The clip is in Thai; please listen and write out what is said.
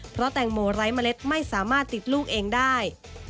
เพราะแตงโมไร้เมล็ดไม่สามารถติดลูกเองได้